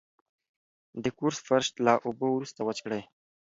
د کور فرش له اوبو وروسته وچ کړئ.